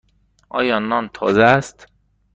آیا نان تازه است؟